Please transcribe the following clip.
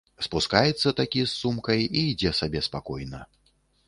Спускаецца такі, з сумкай, і ідзе сабе спакойна.